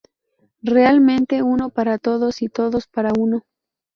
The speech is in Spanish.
Realmente: Uno para Todos y Todos para Uno.